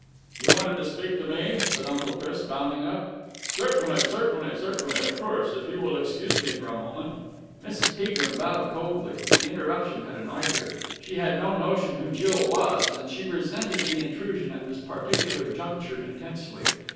"You wanted to speak to me?" said Uncle Chris, bounding up. "Certainly, certainly, certainly, of course. If you will excuse me for a moment?" Mrs. Peagrim bowed coldly. The interruption had annoyed her. She had no notion who Jill was, and she resented the intrusion at this particular juncture intensely.